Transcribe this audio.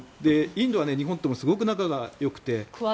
インドは日本ともすごく仲がよくて。